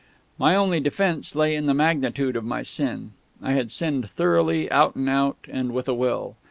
My only defence lay in the magnitude of my sin. I had sinned thoroughly, out and out, and with a will.